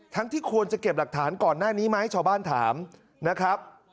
ที่ควรจะเก็บหลักฐานก่อนหน้านี้ไหมชาวบ้านถามนะครับ